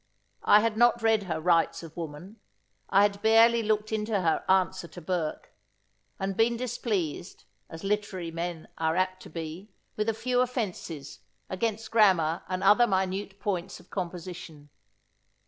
I had not read her Rights of Woman. I had barely looked into her Answer to Burke, and been displeased, as literary men are apt to be, with a few offences, against grammar and other minute points of composition.